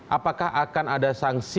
apakah akan ada sanksi